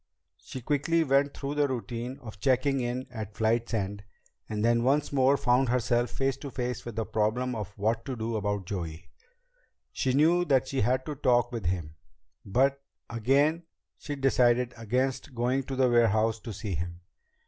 She quickly went through the routine of checking in at flight's end, and then once more found herself face to face with the problem of what to do about Joey. She knew that she had to talk with him, but again she decided against going to the warehouse to see him.